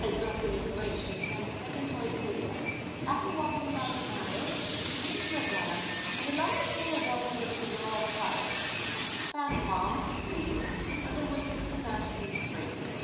I did not feel encouraged to attempt a second poetical flight. After walking about a mile we came to a dam, and along the pool of water there was a row of tâl (fan palm) trees, under which was a natural spring.